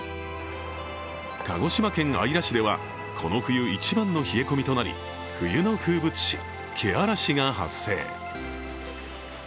鹿児島県姶良市ではこの冬一番の冷え込みとなり冬の風物詩、けあらしが発生。